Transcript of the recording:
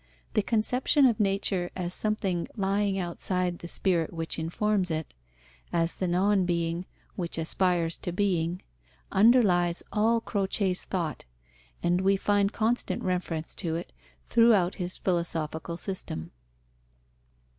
The conception of nature as something lying outside the spirit which informs it, as the non being which aspires to being, underlies all Croce's thought, and we find constant reference to it throughout his philosophical system.